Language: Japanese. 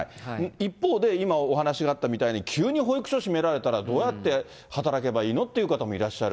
一方で、今お話があったみたいに、急に保育所閉められたら、どうやって働けばいいのという方もいらっしゃる。